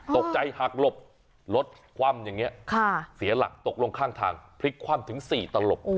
ตกใจหักหลบรถคว่ำอย่างนี้เสียหลักตกลงข้างทางพลิกคว่ำถึง๔ตลบ